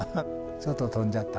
ちょっと飛んじゃった。